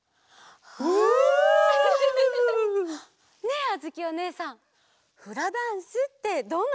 ねえあづきおねえさん